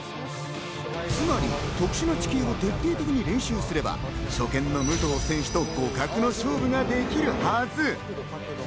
つまり特殊な地形を徹底的に練習すれば初見の武藤選手と互角の勝負ができるはず。